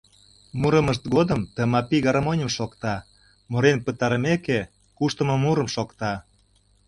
Мурымышт годым Тымапи гармоньым шокта, мурен пытарымеке, куштымо мурым шокта.